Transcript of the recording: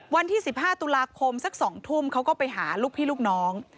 วันที่๑๕ตุลาคมสัก๒ทุ่มเขาก็ไปหาลูกพี่ลูกน้อง